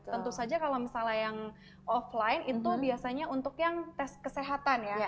tentu saja kalau misalnya yang offline itu biasanya untuk yang tes kesehatan ya